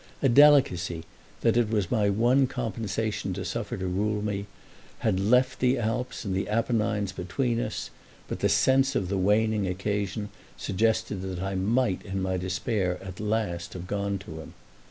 A delicacy that it was my one compensation to suffer to rule me had left the Alps and the Apennines between us, but the sense of the waning occasion suggested that I might in my despair at last have gone to him.